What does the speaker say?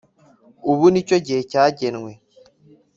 Ubu ni cyo gihe cyagenwe